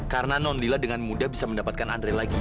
karena nonila dengan mudah bisa mendapatkan andre lagi